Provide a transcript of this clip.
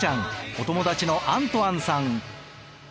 お友達のアントアンさん。